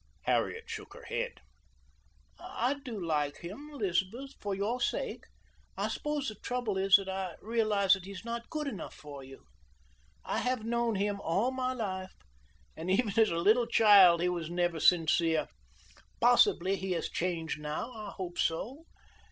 Harriet shook her head. "I do like him, Elizabeth, for your sake. I suppose the trouble is that I realize that he is not good enough for you. I have known him all my life, and even as a little child he was never sincere. Possibly he has changed now. I hope so.